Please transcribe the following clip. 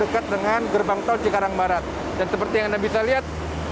kepolisian kampung jawa barat